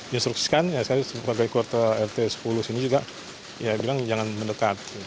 instruksikan ya saya sebagai keluarga rt sepuluh sini juga ya bilang jangan mendekat